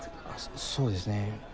そうですね